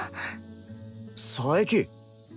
佐伯。